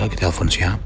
dia lagi telepon siapa